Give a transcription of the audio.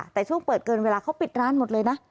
แต่ช่วงเปิดเกินเวลาเขาปิดร้านหมดเลยนะ